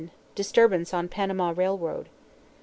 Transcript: Disturbance on Panama Railroad.